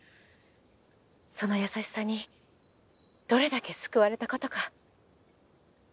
その優しさにどれだけ救われた事か。